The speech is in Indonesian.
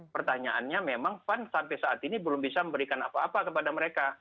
pertanyaannya memang pan sampai saat ini belum bisa memberikan apa apa kepada mereka